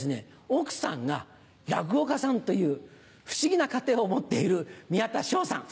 奥さんが落語家さんという不思議な家庭を持っている宮田昇さん。